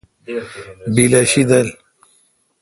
بیل اؘ شیدل۔